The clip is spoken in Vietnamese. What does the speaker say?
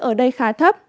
ở đây khá thấp